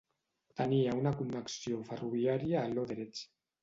Tenia una connexió ferroviària a Lüderitz.